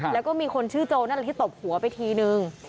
แล้วก็มีคนชื่อโจรนั่นแหละที่ตบหัวไปทีนึง